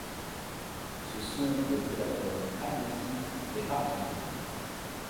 Ce sont des prédateurs agressifs et rapides.